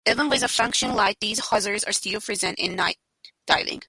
Even with a functioning light, these hazards are still present in night diving.